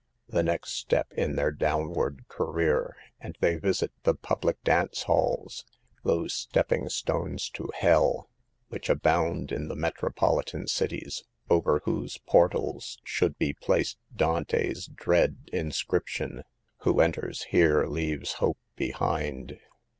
The next step in their downward career, and they visit the public dance halls, those stepping stones to hell, which abound in the metropolitan cities, over whose portals should be placed Dante's dread inscrip tion :" Who enters here leaves hope behind."